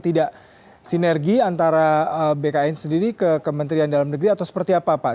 tidak sinergi antara bkn sendiri ke kementerian dalam negeri atau seperti apa pak